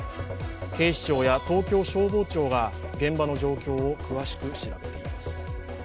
警視庁や東京消防庁が現場の状況を詳しく調べています。